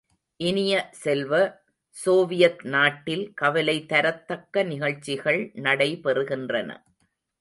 இனிய செல்வ, சோவியத் நாட்டில் கவலை தரத்தக்க நிகழ்ச்சிகள் நடைபெறுகின்றன.